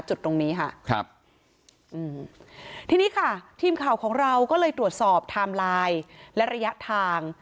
จุดตรงนี้ค่ะครับอืมทีนี้ค่ะทีมข่าวของเราก็เลยตรวจสอบไทม์ไลน์และระยะทาง